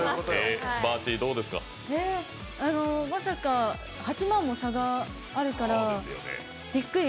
まさか８万も差があるからびっくり。